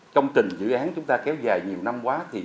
công trình dự án chúng ta kéo dài nhiều năm quá